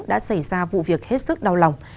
đã xảy ra vụ việc hết sức đau lòng